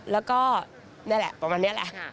แล้วก็นี่แหละประมาณนี้แหละ